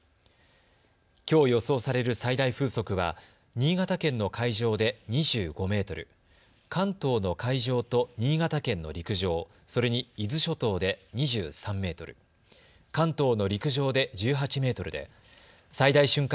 きょう予想される最大風速は新潟県の海上で２５メートル、関東の海上と新潟県の陸上、それに伊豆諸島で２３メートル、関東の陸上で１８メートルで最大瞬間